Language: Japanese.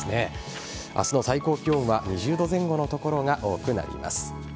明日の最高気温は２０度前後の所が多くなりそうです。